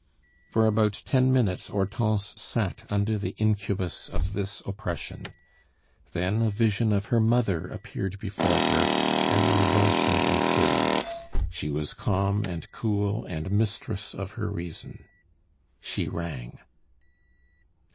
For about ten minutes Hortense sat under the incubus of this oppression. Then a vision of her mother appeared before her, and revulsion ensued; she was calm and cool, and mistress of her reason. She rang.